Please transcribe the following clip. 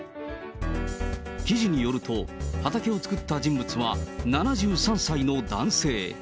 記事によると、畑を作った人物は、７３歳の男性。